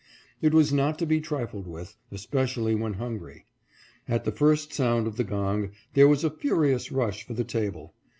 It was not to be trifled with, especially when hungry. At the first sound of the gong there was a furious rush for the table.